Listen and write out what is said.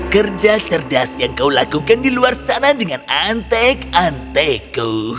kerja cerdas yang kau lakukan di luar sana dengan antek anteku